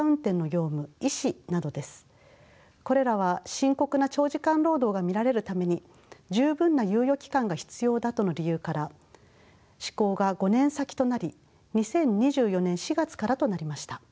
これらは深刻な長時間労働が見られるために十分な猶予期間が必要だとの理由から施行が５年先となり２０２４年４月からとなりました。